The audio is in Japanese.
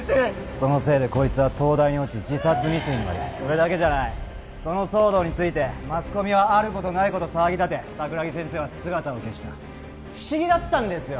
そのせいでこいつは東大に落ち自殺未遂にまでそれだけじゃないその騒動についてマスコミはあることないこと騒ぎ立て桜木先生は姿を消した不思議だったんですよ